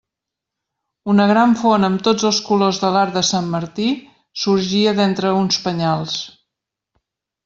Una gran font amb tots els colors de l'arc de Sant Martí, sorgia d'entre uns penyals.